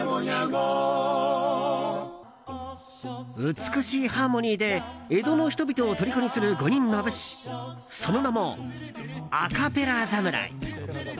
美しいハーモニーで江戸の人々をとりこにする５人の武士その名も、「アカペラ侍」。